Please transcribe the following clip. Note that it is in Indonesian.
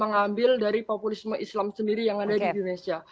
yang terakhir adalah dari populisme islam sendiri yang ada di indonesia